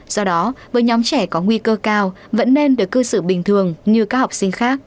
do đó với nhóm trẻ có nguy cơ cao vẫn nên được cư xử bình thường như các học sinh khác